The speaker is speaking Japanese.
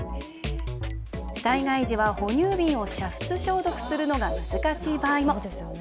災害時は哺乳瓶を煮沸消毒するのが難しい場合も。